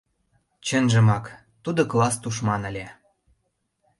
Чынжымак, тудо класс тушман ыле.